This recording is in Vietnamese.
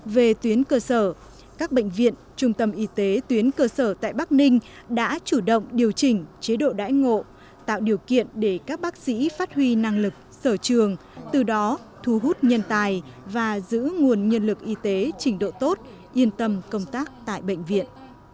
về tuyến cơ sở các bệnh viện trung tâm y tế tuyến cơ sở tại bắc ninh đã chủ động điều chỉnh chế độ đãi ngộ tạo điều kiện để các bác sĩ phát huy năng lực sở trường từ đó thu hút nhân tài và giữ nguồn nhân lực y tế trình độ tốt yên tâm công tác tại bệnh viện